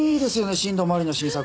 新道真理の新作。